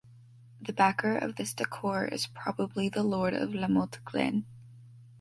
The backer of this decor is probably the Lord of La Motte-Glain.